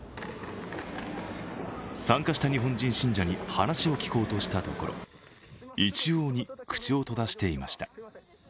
参加した日本人信者に話を聞こうとしたところ、一様に口を閉ざしていました。